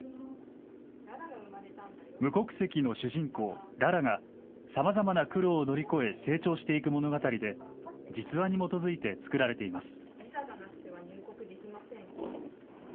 無国籍の主人公ララがさまざまな苦労を乗り越え成長していく物語で実話に基づいて作られています。